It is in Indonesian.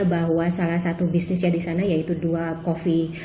bahwa salah satu bisnisnya di sana yaitu dua coffee